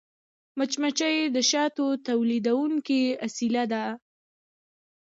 مچمچۍ د شاتو تولیدوونکې اصلیه ده